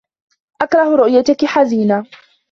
أكره رؤيتك حزينة.